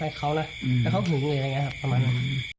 แฟนเขานะแต่เขาถึงเหงื่ออะไรอย่างเงี้ยประมาณนั้น